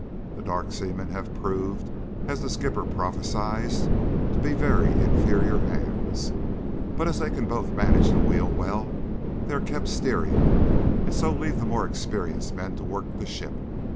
The dark seamen have proved, as the skipper prophesied, to be very inferior hands, but as they can both manage the wheel well they are kept steering, and so leave the more experienced men to work the ship.